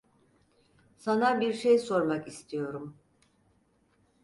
Sana birşey sormak istiyorum.